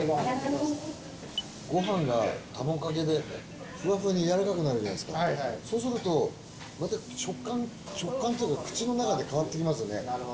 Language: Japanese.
ごはんが、卵かけでふわふわにやわらかくなるじゃないですか、そうすると、また食感、食感っていうか、口の中で変わってきますよね。